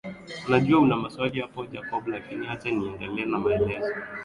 Najua una maswali hapo Jacob lakini acha niendelee na maelezo